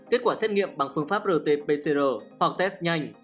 kết quả xét nghiệm bằng phương pháp rt pcr hoặc test nhanh